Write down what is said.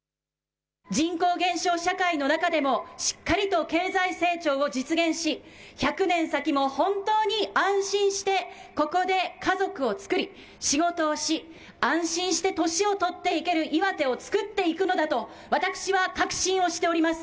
人口減少社会の中でもしっかりと経済成長を実現し、１００年先も本当に安心してここで家族を作り、仕事をし、安心して年を取っていける岩手をつくっていくのだと私は確信をしております。